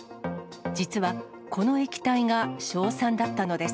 実は、この液体が硝酸だったのです。